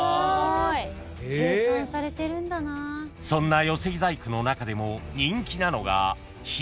［そんな寄せ木細工の中でも人気なのが］